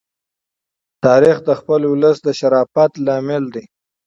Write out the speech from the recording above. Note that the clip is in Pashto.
تاریخ د خپل ولس د شرافت لامل دی.